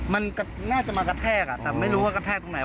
มันน่าจะมากระแทกแต่ไม่รู้ว่ากระแทกตรงไหน